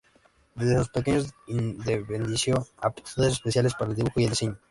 Desde muy pequeño evidenció aptitudes especiales para el dibujo y el diseño.